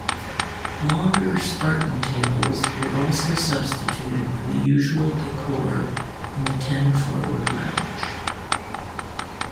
Longer, spartan tables were also substituted for the usual decor in the Ten-Forward lounge.